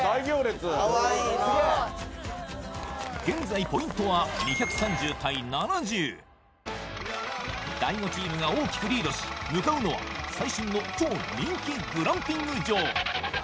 現在ポイントは２３０対７０大悟チームが大きくリードし向かうのは最新の超人気グランピング場